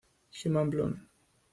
Human Bloom